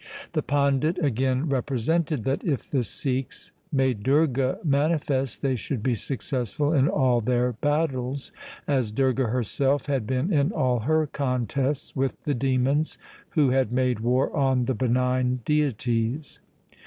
1 The pandit again represented that if the Sikhs made Durga manifest, they should be successful in all their battles as Durga herself had been in all her contests 2 with the demons who had made war on the benign deities.